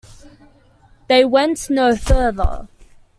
They went no further.